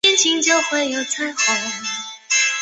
高曼缠斗是一起广为人知的不明飞行物缠斗事件。